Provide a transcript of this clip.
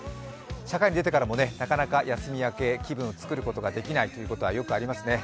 社会に出てからもなかなか休み明け、気分を作ることができないということはよくありますね。